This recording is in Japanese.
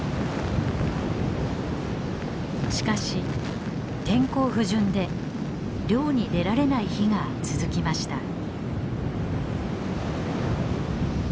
しかし天候不順で漁に出られない日が続きました。